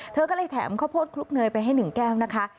เธอก็เลยแถมข้าวโพดคลุกเนยไปให้๑แก้วนะคะ